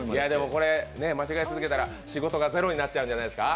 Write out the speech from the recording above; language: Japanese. これ、間違え続けたら仕事が「ゼロ」になっちゃうんじゃないですか？